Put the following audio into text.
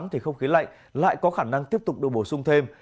thì không khí lạnh lại có khả năng tiếp tục được bổ sung thêm